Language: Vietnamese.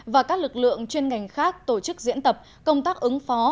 và các lực lượng chuyên ngành khác tổ chức diễn tập công tác ứng phó